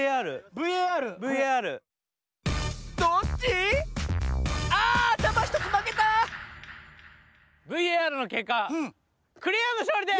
ＶＡＲのけっかクレヨンのしょうりです！